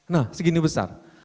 nah segini besar